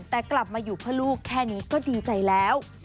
แต่กลับมาอยู่เพื่อลูกแค่นี้ก็ดีใจแล้ว